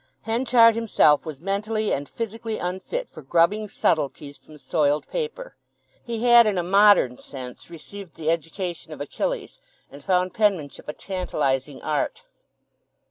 Henchard himself was mentally and physically unfit for grubbing subtleties from soiled paper; he had in a modern sense received the education of Achilles, and found penmanship a tantalizing art.